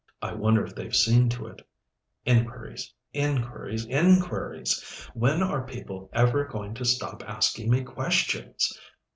I wonder if they've seen to it. Inquiries inquiries inquiries! When are people ever going to stop asking me questions?